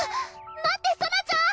待ってソラちゃん！